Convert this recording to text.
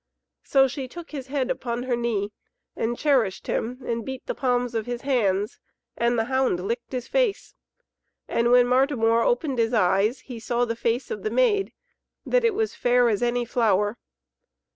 So she took his head upon her knee and cherished him and beat the palms of his hands, and the hound licked his face. And when Martimor opened his eyes he saw the face of the maid that it was fair as any flower.